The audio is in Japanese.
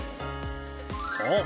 そう。